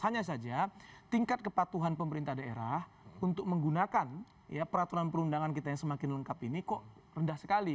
hanya saja tingkat kepatuhan pemerintah daerah untuk menggunakan peraturan perundangan kita yang semakin lengkap ini kok rendah sekali